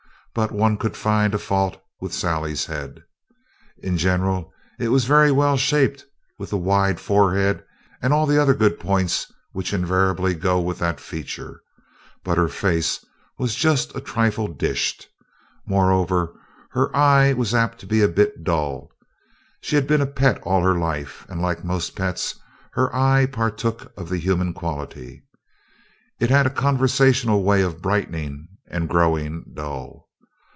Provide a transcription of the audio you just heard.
But one could find a fault with Sally's head. In general, it was very well shaped, with the wide forehead and all the other good points which invariably go with that feature; but her face was just a trifle dished. Moreover, her eye was apt to be a bit dull. She had been a pet all her life, and, like most pets, her eye partook of the human quality. It had a conversational way of brightening and growing dull.